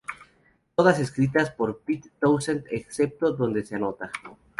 Todas escritas por Pete Townshend excepto donde se anota.